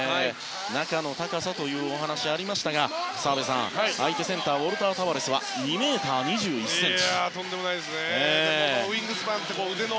中の高さというお話がありましたが澤部さん、相手センターのウォルター・タバレスは２ｍ２１ｃｍ。